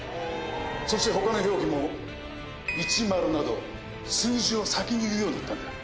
そして他の表記も①など数字を先に言うようになったんだ。